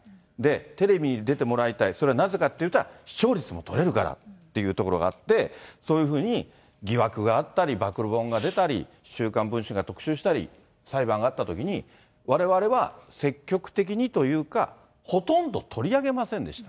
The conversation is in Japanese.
テレビに出てもらいたい、それはなぜかと言ったら視聴率も取れるからというところがあって、そういうふうに疑惑があったり、暴露本が出たり、週刊文春が特集したり、裁判があったときに、われわれは積極的にというかほとんど取り上げませんでした。